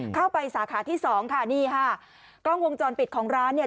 สาขาที่สองค่ะนี่ค่ะกล้องวงจรปิดของร้านเนี่ย